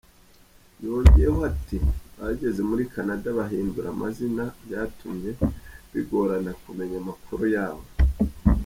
Yongeraho ati “Bageze muri Canada bahindura amazina, byatumye bigorana kumenya amakuru yabo.